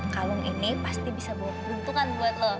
kalung ini pasti bisa bawa keuntungan buat lo